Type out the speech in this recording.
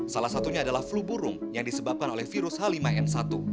salah satunya adalah flu burung yang disebabkan oleh virus h lima n satu